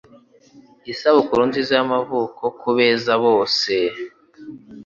Isabukuru nziza y'amavuko ku beza bosee